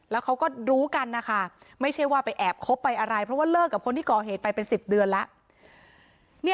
แล้วเขาก็รู้กันนะคะไม่ใช่ว่าไปแอบคบไปอะไรเพราะว่าเลิกกับคนที่ก่อเหตุไปเป็น๑๐เดือนแล้ว